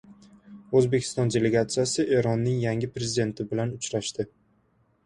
O‘zbekiston delegatsiyasi Eronning yangi prezidenti bilan uchrashdi